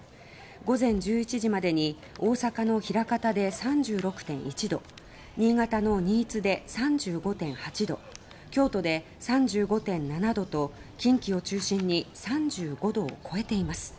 午前１１時までに大阪の枚方で３６．１度新潟の新津で３５．８度京都で３５．７度と近畿を中心に３５度を超えています。